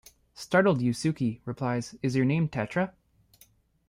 Startled Yusuke replies Your name is Tetra?